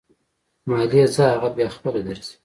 مالې ځه اغه بيا خپله درځي.